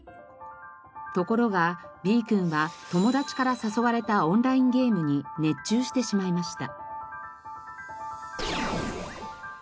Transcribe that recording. ところがＢ君は友達から誘われたオンラインゲームに熱中してしまいました。